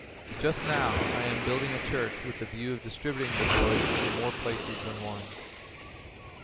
Just now I am building a church with the view of distributing the boys in more places than one.